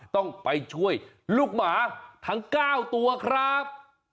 ต้องไปช่วยลูกหมาทั้ง๙ตัวครับ